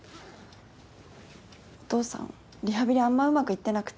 お父さんリハビリあんまうまくいってなくて。